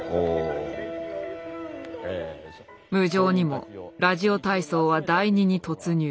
無情にもラジオ体操は第２に突入。